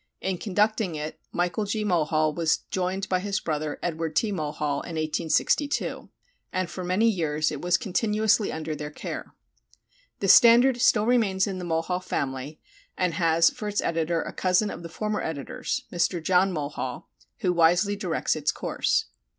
In conducting it Michael G. Mulhall was joined by his brother, Edward T. Mulhall, in 1862, and for many years it was continuously under their care. The Standard still remains in the Mulhall family, and has for its editor a cousin of the former editor's, Mr. John Mulhall, who wisely directs its course.